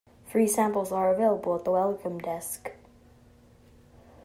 Free samples are available at the Welcome Desk.